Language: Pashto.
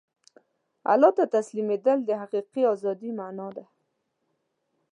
الله ته تسلیمېدل د حقیقي ازادۍ مانا ده.